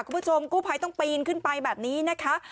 คุณผู้ชมกู้ภัยต้องปีนขึ้นไปแบบนี้นะคะ